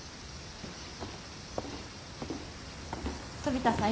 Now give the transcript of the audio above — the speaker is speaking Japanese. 飛田さん